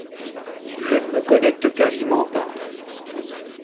Je ne me connecte quasiment pas.